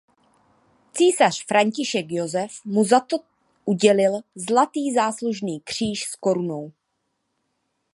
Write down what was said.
Císař František Josef mu za to udělil zlatý záslužný kříž s korunou.